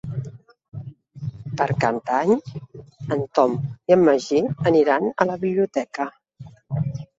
Per Cap d'Any en Tom i en Magí aniran a la biblioteca.